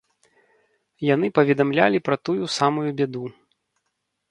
Яны паведамлялі пра тую самую бяду.